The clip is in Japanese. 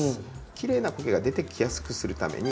きれいなコケが出てきやすくするために。